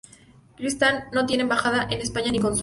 Kirguistán no tiene embajada en España ni consulados.